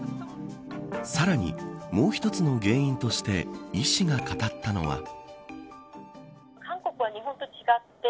さらに、もう一つの原因として医師が語ったのは。